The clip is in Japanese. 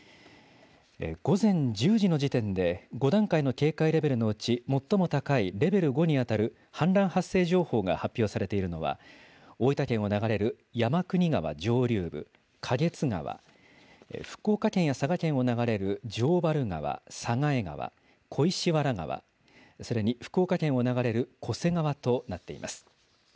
午前１０時の時点で、５段階の警戒レベルのうち最も高いレベル５に当たる氾濫発生情報が発表されているのは、大分県を流れる山国川上流部、花月川、福岡県や佐賀県を流れる城原川、佐賀江川、小石原川、それに福岡県を流れる巨瀬川となっています。